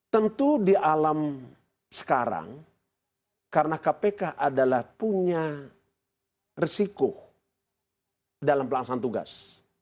tentu di alam sekarang karena kpk adalah punya resiko dalam pelaksanaan tugas